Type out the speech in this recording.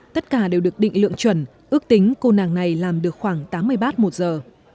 tất cả đều được định lượng chuẩn ước tính cô nàng này làm được khoảng tám mươi bát một giờ